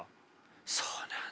えっそうなんだ。